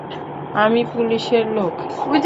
আমি পুলিশের লোক।